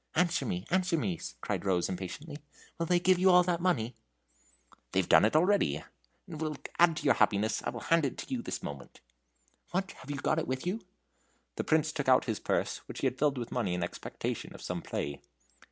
"Answer me, answer me!" cried Rose, impatiently. "Will they give you all that money?" "They've done it already and if it will add to your happiness I will hand it to you this moment." "What! have you got it with you?" The Prince took out his purse, which he had filled with money in expectation of some play.